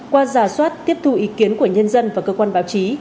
qua giả soát tiếp thu ý kiến của nhân dân và cơ quan báo chí